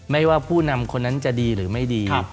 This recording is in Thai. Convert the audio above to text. ไม่ว่าผู้นำคนนั้นจะดีหรือไม่ดี